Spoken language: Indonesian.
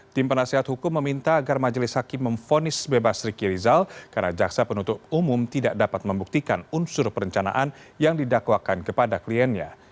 tim penasehat hukum meminta agar majelis hakim memfonis bebas riki rizal karena jaksa penuntut umum tidak dapat membuktikan unsur perencanaan yang didakwakan kepada kliennya